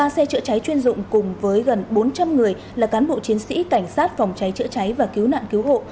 ba xe chữa cháy chuyên dụng cùng với gần bốn trăm linh người là cán bộ chiến sĩ cảnh sát phòng cháy chữa cháy và cứu nạn cứu hộ